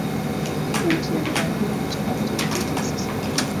e ukiangalia mchakato mzima sasa hivi